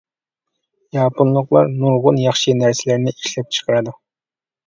ياپونلۇقلار نۇرغۇن ياخشى نەرسىلەرنى ئىشلەپ چىقىرىدۇ.